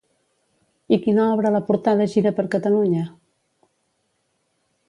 I quina obra la portà de gira per Catalunya?